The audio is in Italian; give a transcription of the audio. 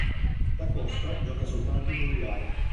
Da Costa gioca soltanto due gare.